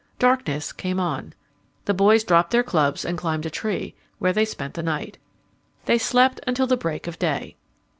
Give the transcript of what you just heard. Darkness came on. The boys dropped their clubs and climbed a tree, where they spent the night. They slept until the break of day.